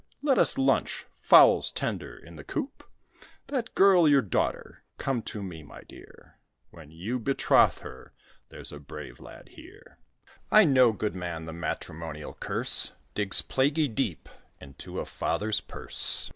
let us lunch fowls tender in the coop? That girl your daughter? come to me, my dear! When you betroth her, there's a brave lad here. I know, good man, the matrimonial curse Digs plaguey deep into a father's purse."